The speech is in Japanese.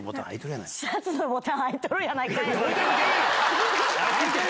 「シャツのボタン開いとるやないかい」。